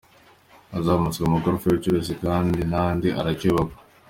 Hazamutse amagorofa y’ubucuruzi kandi n’andi aracyubakwa.